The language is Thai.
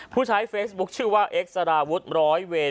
ผู้ใช้เฟซบุ๊คชื่อว่าเอ็กซาราวุฒิร้อยเวร